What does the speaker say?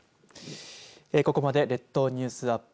ここまで列島ニュースアップ